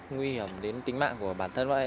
nguy hiểm đến tính mạng của bản thân